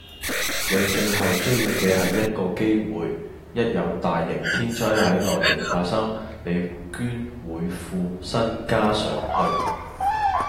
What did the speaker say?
你最後需要既係一個機會，一有大型天災係內地發生，你捐會副身家上去